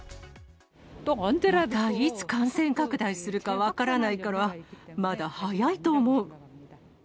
また、いつ感染拡大するか分からないから、まだ早いと思う。